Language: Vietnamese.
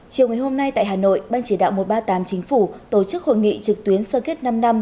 chiều ngày hôm nay tại hà nội ban chỉ đạo một trăm ba mươi tám chính phủ tổ chức hội nghị trực tuyến sơ kết năm năm